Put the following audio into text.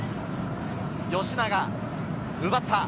吉永、奪った。